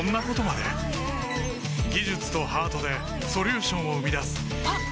技術とハートでソリューションを生み出すあっ！